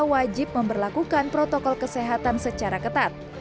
wajib memperlakukan protokol kesehatan secara ketat